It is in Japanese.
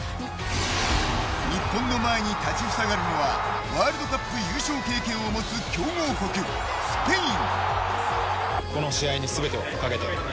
日本の前に立ち塞がるのはワールドカップ優勝経験を持つ強豪国、スペイン。